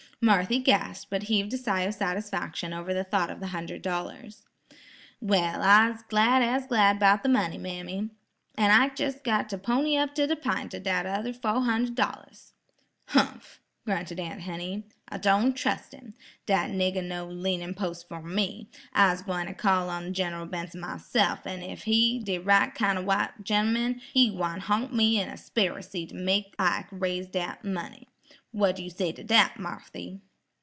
Marthy gasped but heaved a sigh of satisfaction over the thought of the hundred dollars. "Well, I'se glad as glad 'bout the money, mammy. An' Ike's jes' got to pony up to the pint of that other fo' hundred dollars." "Hump!" grunted Aunt Henny. "I don' trus' him. Dat niggah no leanin' pos' fer me. I'se gwine call on Gen'ral Benson myse'f, an' ef he de right kin' o' white gen'man, he gwine holp me in a 'spiracy ter make Ike raise dat money. Wha' you say to dat, Marthy?"